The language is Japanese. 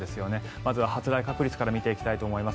まずは発雷確率から見ていきたいと思います。